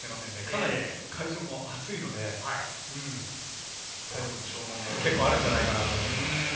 かなり会場も暑いので、体力の消耗も結構あるんじゃないかなと思います。